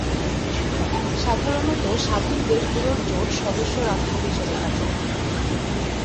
সাধারণতঃ স্বাধীন দেশগুলোর জোট সদস্য রাষ্ট্র হিসেবে থাকে।